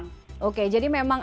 siang dan malam oke jadi memang